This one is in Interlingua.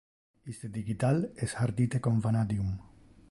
Iste digital es hardite con vanadium.